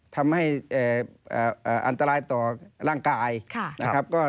ทำให้อันตรายต่อร่างกายนะครับ